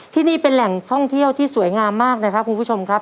ที่นี่เป็นแหล่งท่องเที่ยวที่สวยงามมากนะครับคุณผู้ชมครับ